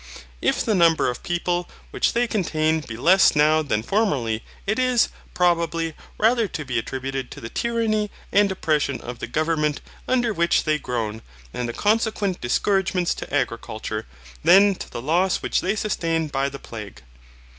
If the number of people which they contain be less now than formerly, it is, probably, rather to be attributed to the tyranny and oppression of the government under which they groan, and the consequent discouragements to agriculture, than to the loss which they sustain by the plague.